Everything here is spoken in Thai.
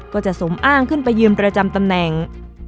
ก็จะสมอ้างขึ้นไปยืมประจำตำแหน่ง